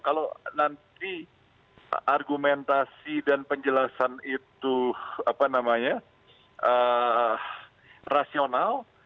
kalau nanti argumentasi dan penjelasan itu rasional